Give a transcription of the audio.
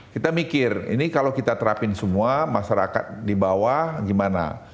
kita mikir ini kalau kita terapin semua masyarakat di bawah gimana